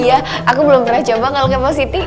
iya aku belum pernah coba kalo gak mau siti